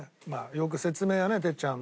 よく説明はね哲ちゃん